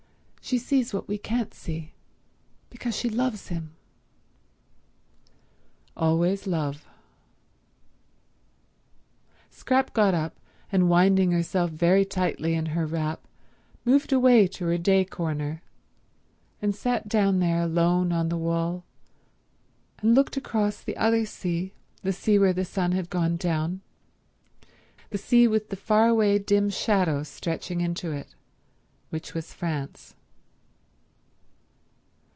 She sees what we can't see, because she loves him." Always love. Scrap got up, and winding herself very tightly in her wrap moved away to her day corner, and sat down there alone on the wall and looked out across the other sea, the sea where the sun had gone down, the sea with the far away dim shadow stretching into it which was France.